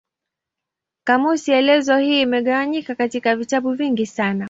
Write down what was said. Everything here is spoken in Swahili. Kamusi elezo hii imegawanyika katika vitabu vingi sana.